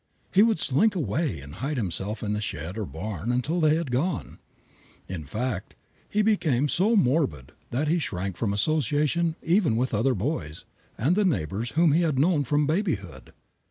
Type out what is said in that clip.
He would slink away and hide himself in the shed or barn until they had gone. In fact, he became so morbid that he shrank from association even with other boys and the neighbors whom he had known from babyhood.